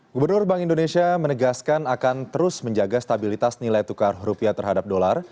gubernur bank indonesia menegaskan akan terus menjaga stabilitas nilai tukar rupiah terhadap dolar